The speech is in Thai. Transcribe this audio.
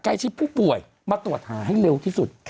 ชิดผู้ป่วยมาตรวจหาให้เร็วที่สุด